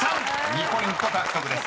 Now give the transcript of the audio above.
２ポイント獲得です］